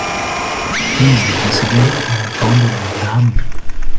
He is the president and founder of Damir.